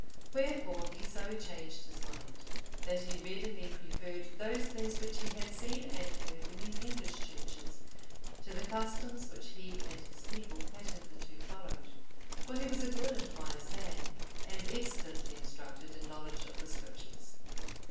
Wherefore he so changed his mind, that he readily preferred those things which he had seen and heard in the English churches, to the customs which he and his people had hitherto followed. For he was a good and wise man, and excellently instructed in knowledge of the Scriptures.